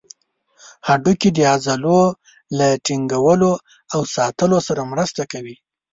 هډوکي د عضلو له ټینګولو او ساتلو سره مرسته کوي.